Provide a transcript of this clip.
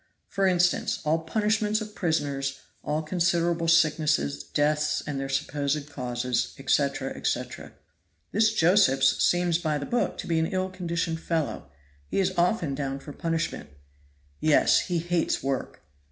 For instance, all punishments of prisoners, all considerable sicknesses, deaths and their supposed causes, etc., etc. "This Josephs seems by the book to be an ill conditioned fellow; he is often down for punishment." "Yes! he hates work.